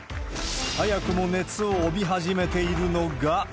早くも熱を帯び始めているのが。